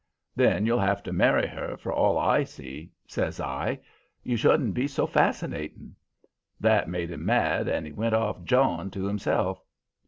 "'Then you'll have to marry her, for all I see,' says I. 'You shouldn't be so fascinating.' "That made him mad and he went off jawing to himself.